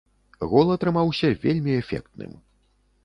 Гол атрымаўся вельмі эфектным.